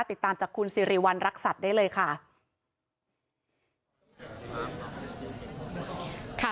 ติดตามจากคุณสิริวัณรักษัตริย์ได้เลยค่ะ